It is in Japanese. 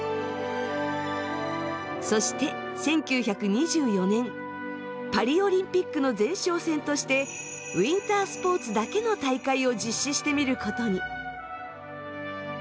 そして１９２４年パリオリンピックの前哨戦としてウインタースポーツだけの大会を実施してみることに。